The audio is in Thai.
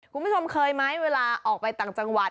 คุณผู้ชมเคยไหมเวลาออกไปต่างจังหวัด